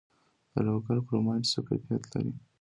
د لوګر کرومایټ څه کیفیت لري؟